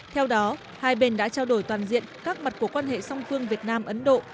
theo đó hai bên đã trao đổi toàn diện các mặt của quan hệ song phương việt nam ấn độ